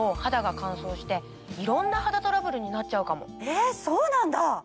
えっそうなんだ！